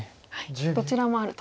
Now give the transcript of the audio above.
どちらもあると。